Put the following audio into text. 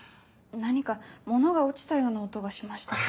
何か物が落ちたような音がしましたけど。